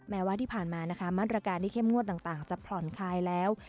แม้ว่าที่ผ่านมานะคะมาตรการที่เข้มงวดต่างจะผ่อนคลายแล้ว